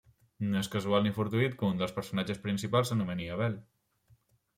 No és casual ni fortuït que un dels personatges principals s'anomeni Abel.